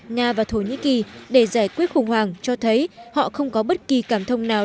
nga và thổ nhĩ kỳ để giải quyết khủng hoảng cho thấy họ không có bất kỳ cảm thông nào